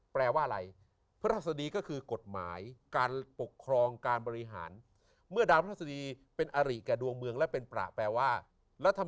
แปลว่าอะไรเพื่อว่าพระศดีก็คือกฎหมายการปกครองการบริหาร